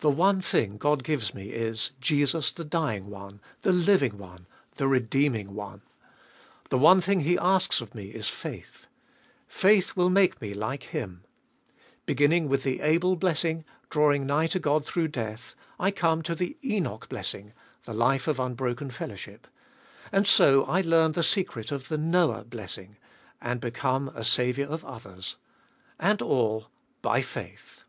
2. The one thing God gives me is, Jesus the dying One, the living One, the redeeming One. The one thing He asks of me is faith. Faith will make me like Him. Beginning with the Abel blessing drawing nigh to Qod through death, I come to the Enoch blessing, the life of unbroken fellowship. And so I learn the secret of the Noah blessing, and become a saviour of others. And all, By faith.